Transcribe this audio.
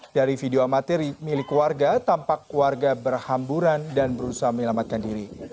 dari video amatir milik warga tampak warga berhamburan dan berusaha menyelamatkan diri